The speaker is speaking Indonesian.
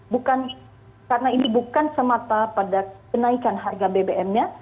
bukan karena ini bukan semata pada kenaikan harga bbm nya